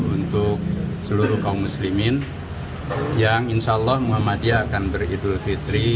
untuk seluruh kaum muslimin yang insya allah muhammadiyah akan beridul fitri